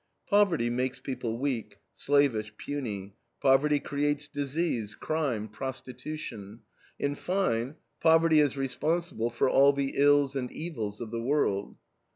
"Poverty makes people weak, slavish, puny; poverty creates disease, crime, prostitution; in fine, poverty is responsible for all the ills and evils of the world."